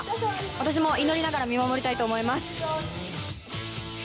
私も祈りながら、見守りたいと思います。